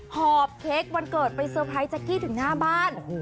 หอบเค้กวันเกิดไปเซอร์ไพรสแก๊กกี้ถึงหน้าบ้าน